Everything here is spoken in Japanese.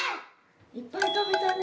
いっぱいたべたね